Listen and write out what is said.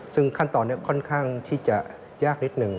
ซึ่งขั้นตอนนี้ค่อนข้างที่จะยากนิดหนึ่ง